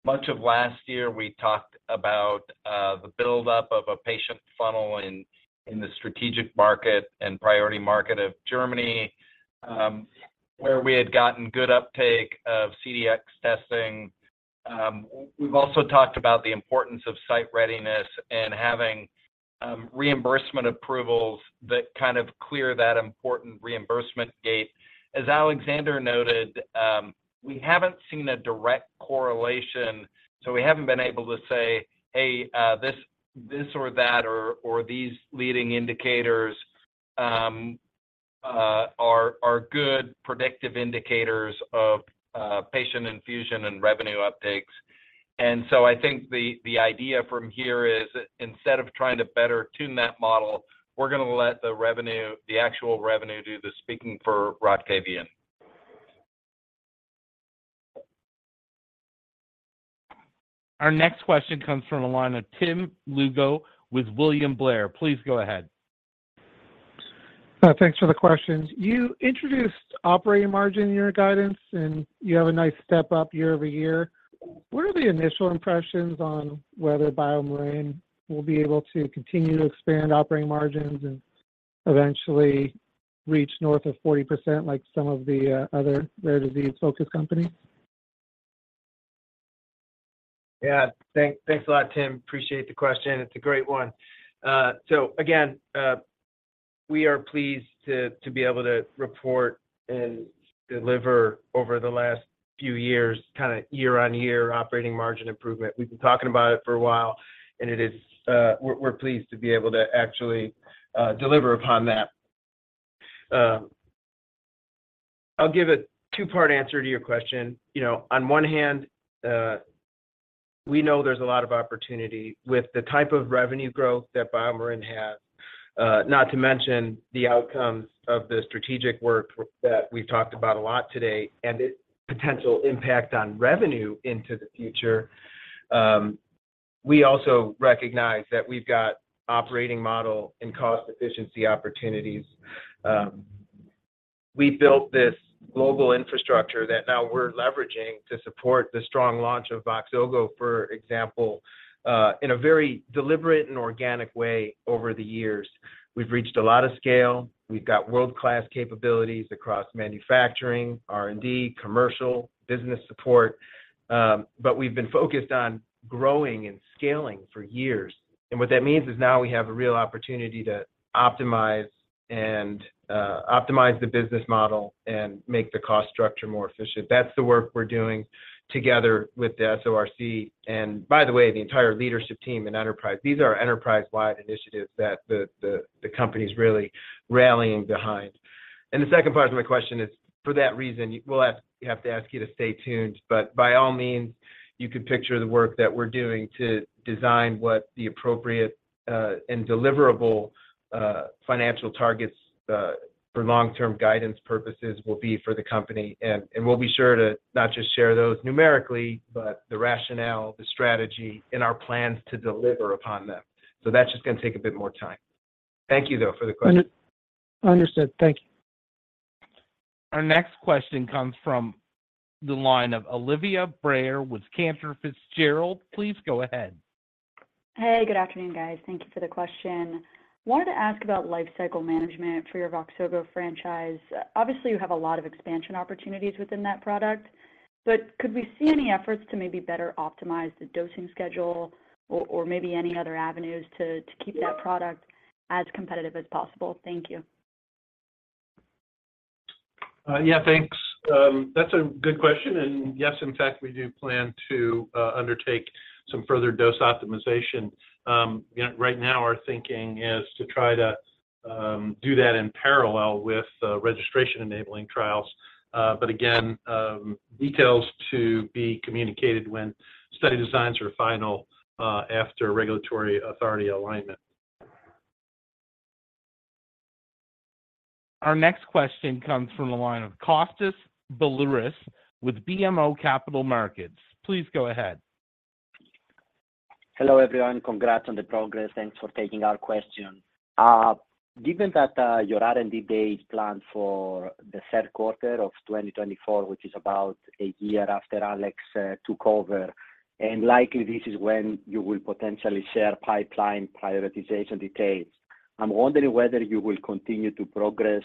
much of last year, we talked about the buildup of a patient funnel in the strategic market and priority market of Germany, where we had gotten good uptake of CDx testing. We've also talked about the importance of site readiness and having reimbursement approvals that kind of clear that important reimbursement gate. As Alexander noted, we haven't seen a direct correlation, so we haven't been able to say, "Hey, this or that, or these leading indicators are good predictive indicators of patient infusion and revenue uptakes." And so I think the idea from here is that instead of trying to better tune that model, we're gonna let the revenue - the actual revenue, do the speaking for Roctavian. Our next question comes from the line of Tim Lugo with William Blair. Please go ahead. Thanks for the questions. You introduced operating margin in your guidance, and you have a nice step up year-over-year. What are the initial impressions on whether BioMarin will be able to continue to expand operating margins and eventually reach north of 40%, like some of the other rare disease-focused companies? Yeah. Thanks a lot, Tim. Appreciate the question. It's a great one. So again, we are pleased to be able to report and deliver over the last few years, kinda year-on-year operating margin improvement. We've been talking about it for a while, and it is. We're pleased to be able to actually deliver upon that. I'll give a two-part answer to your question. You know, on one hand, we know there's a lot of opportunity. With the type of revenue growth that BioMarin has, not to mention the outcomes of the strategic work that we've talked about a lot today and its potential impact on revenue into the future, we also recognize that we've got operating model and cost efficiency opportunities. We built this global infrastructure that now we're leveraging to support the strong launch of Voxzogo, for example, in a very deliberate and organic way over the years. We've reached a lot of scale. We've got world-class capabilities across manufacturing, R&D, commercial, business support, but we've been focused on growing and scaling for years. And what that means is now we have a real opportunity to optimize and, optimize the business model and make the cost structure more efficient. That's the work we're doing together with the SORC, and by the way, the entire leadership team and enterprise. These are enterprise-wide initiatives that the company's really rallying behind. And the second part of my question is, for that reason, we'll have to ask you to stay tuned, but by all means, you can picture the work that we're doing to design what the appropriate and deliverable financial targets for long-term guidance purposes will be for the company. And we'll be sure to not just share those numerically, but the rationale, the strategy, and our plans to deliver upon them. So that's just gonna take a bit more time. Thank you, though, for the question. Understood. Thank you. Our next question comes from the line of Olivia Brayer with Cantor Fitzgerald. Please go ahead. Hey, good afternoon, guys. Thank you for the question. Wanted to ask about lifecycle management for your Voxzogo franchise. Obviously, you have a lot of expansion opportunities within that product, but could we see any efforts to maybe better optimize the dosing schedule or, or maybe any other avenues to, to keep that product as competitive as possible? Thank you. Yeah, thanks. That's a good question, and yes, in fact, we do plan to undertake some further dose optimization. Right now our thinking is to try to do that in parallel with registration-enabling trials. But again, details to be communicated when study designs are final, after regulatory authority alignment. Our next question comes from the line of Kostas Biliouris with BMO Capital Markets. Please go ahead. Hello, everyone. Congrats on the progress. Thanks for taking our question. Given that, your R&D Day is planned for the third quarter of 2024, which is about a year after Alex took over, and likely this is when you will potentially share pipeline prioritization details, I'm wondering whether you will continue to progress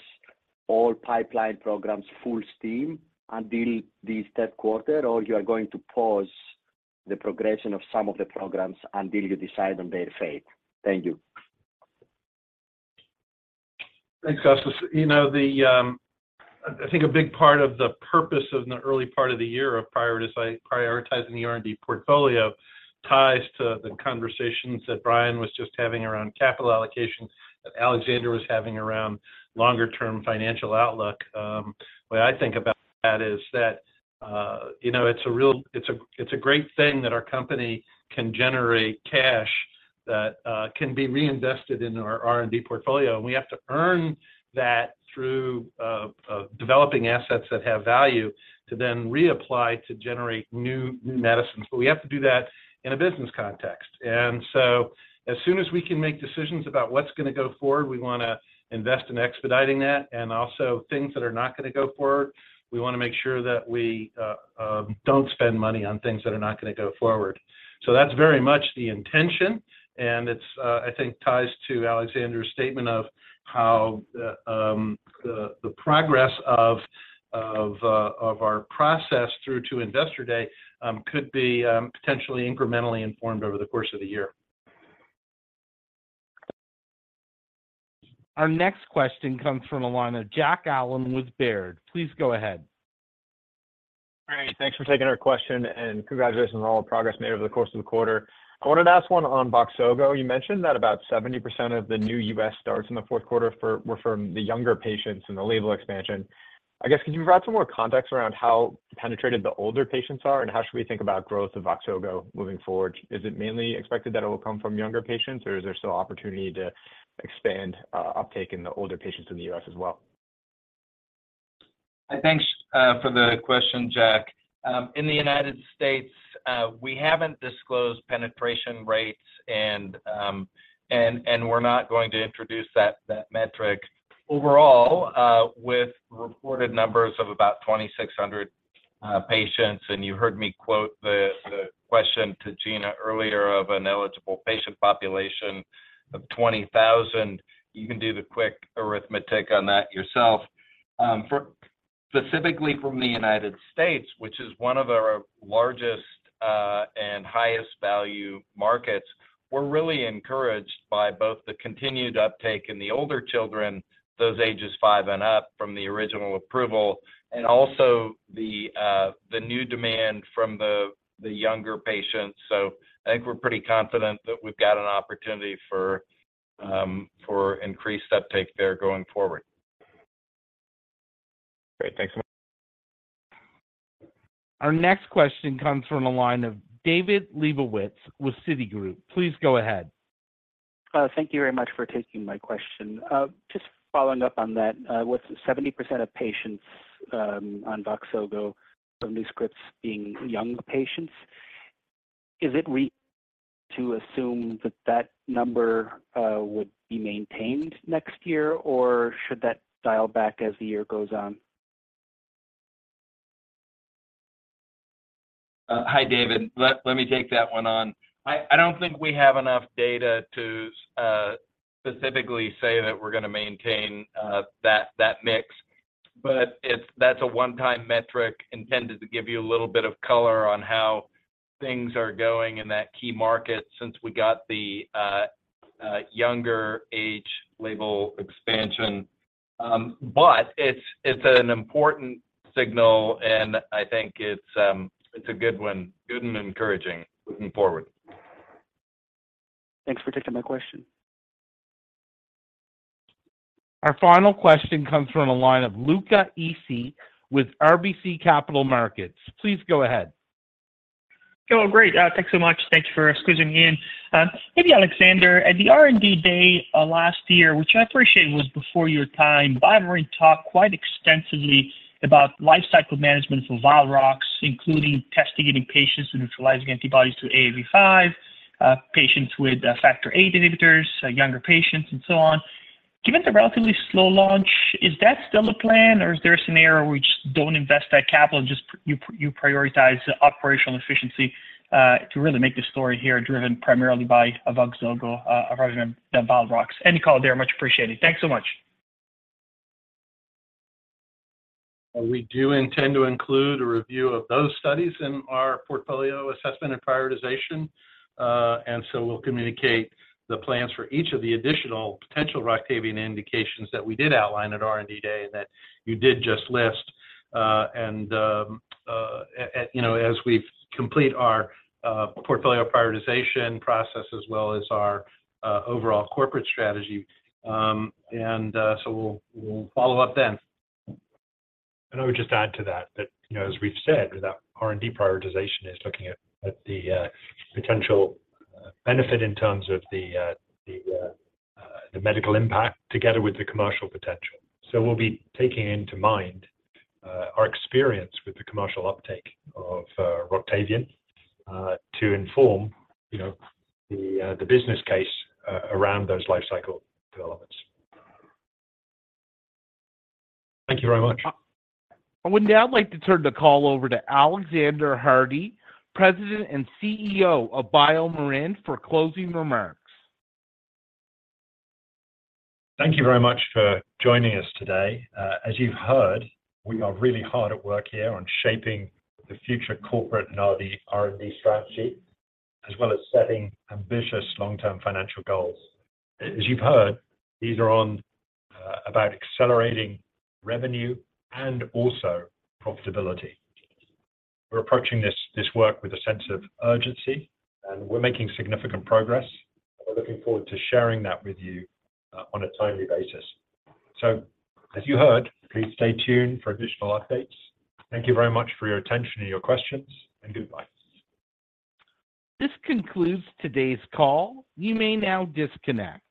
all pipeline programs full steam until this third quarter, or you are going to pause the progression of some of the programs until you decide on their fate. Thank you. Thanks, Kostas. You know, the,... I think a big part of the purpose of the early part of the year of prioritizing the R&D portfolio ties to the conversations that Brian was just having around capital allocation, that Alexander was having around longer-term financial outlook. The way I think about that is that, you know, it's a great thing that our company can generate cash that can be reinvested in our R&D portfolio. And we have to earn that through developing assets that have value, to then reapply to generate new medicines. But we have to do that in a business context. And so as soon as we can make decisions about what's gonna go forward, we wanna invest in expediting that, and also things that are not gonna go forward, we wanna make sure that we don't spend money on things that are not gonna go forward. So that's very much the intention, and it's, I think ties to Alexander's statement of how the progress of our process through to Investor Day could be potentially incrementally informed over the course of the year. Our next question comes from the line of Jack Allen with Baird. Please go ahead. Great. Thanks for taking our question, and congratulations on all the progress made over the course of the quarter. I wanted to ask one on Voxzogo. You mentioned that about 70% of the new U.S. starts in the fourth quarter were from the younger patients in the label expansion. I guess, could you provide some more context around how penetrated the older patients are, and how should we think about growth of Voxzogo moving forward? Is it mainly expected that it will come from younger patients, or is there still opportunity to expand, uptake in the older patients in the US as well? Thanks for the question, Jack. In the United States, we haven't disclosed penetration rates, and we're not going to introduce that metric. Overall, with reported numbers of about 2,600 patients, and you heard me quote the question to Gena earlier of an eligible patient population of 20,000. You can do the quick arithmetic on that yourself. Specifically from the United States, which is one of our largest and highest value markets, we're really encouraged by both the continued uptake in the older children, those ages five and up, from the original approval, and also the new demand from the younger patients. So I think we're pretty confident that we've got an opportunity for increased uptake there going forward. Great. Thanks so much. Our next question comes from the line of David Lebowitz with Citigroup. Please go ahead. Thank you very much for taking my question. Just following up on that, with 70% of patients on Voxzogo from new scripts being younger patients, is it to assume that that number would be maintained next year, or should that dial back as the year goes on? Hi, David. Let me take that one on. I don't think we have enough data to specifically say that we're gonna maintain that mix. But it's, that's a one-time metric intended to give you a little bit of color on how things are going in that key market since we got the younger age label expansion. But it's an important signal, and I think it's a good one, good and encouraging looking forward. Thanks for taking my question. Our final question comes from the line of Luca Issi with RBC Capital Markets. Please go ahead. Oh, great. Thanks so much. Thank you for squeezing me in. Maybe Alexander, at the R&D Day last year, which I appreciate, was before your time, BioMarin talked quite extensively about lifecycle management for Valrox, including testing in patients and neutralizing antibodies to AAV5, patients with factor VIII inhibitors, younger patients and so on. Given the relatively slow launch, is that still the plan, or is there a scenario where you just don't invest that capital and just you prioritize the operational efficiency to really make the story here driven primarily by Voxzogo rather than Valrox? Any call there, much appreciated. Thanks so much. We do intend to include a review of those studies in our portfolio assessment and prioritization. And so we'll communicate the plans for each of the additional potential Roctavian indications that we did outline at R&D Day, and that you did just list. And you know, as we complete our portfolio prioritization process as well as our overall corporate strategy. And so we'll follow up then. And I would just add to that, you know, as Greg said, that R&D prioritization is looking at the potential benefit in terms of the medical impact together with the commercial potential. So we'll be taking into mind our experience with the commercial uptake of Roctavian to inform, you know, the business case around those life cycle developments. Thank you very much. I would now like to turn the call over to Alexander Hardy, President and CEO of BioMarin, for closing remarks. Thank you very much for joining us today. As you've heard, we are really hard at work here on shaping the future corporate and R&D strategy, as well as setting ambitious long-term financial goals. As you've heard, these are on about accelerating revenue and also profitability. We're approaching this work with a sense of urgency, and we're making significant progress, and we're looking forward to sharing that with you on a timely basis. So, as you heard, please stay tuned for additional updates. Thank you very much for your attention and your questions, and goodbye. This concludes today's call. You may now disconnect.